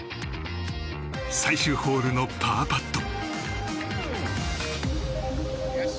最終ホールのパーパット。